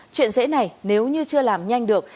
chuyện dễ này nếu như chưa làm nhanh được